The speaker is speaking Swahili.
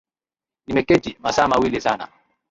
Nimeketi masaa mawili sasa